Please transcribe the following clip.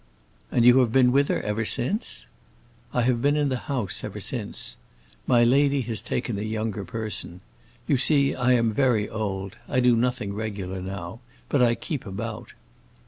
"And you have been with her ever since?" "I have been in the house ever since. My lady has taken a younger person. You see I am very old. I do nothing regular now. But I keep about."